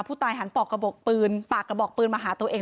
หันปอกกระบกปืนปากกระบอกปืนมาหาตัวเอง